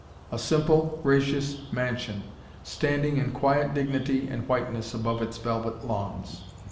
A simple, gracious mansion, standing in quiet dignity and whiteness above its velvet lawns.